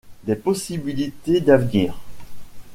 Des possibilités d’avenir.